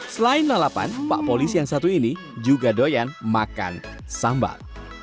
selain lalapan pak polis yang satu ini juga doyan makan sambal